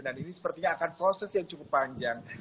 ini sepertinya akan proses yang cukup panjang